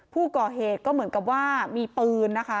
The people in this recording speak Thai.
ผู้ก่อเหตุก็เหมือนกับว่ามีปืนนะคะ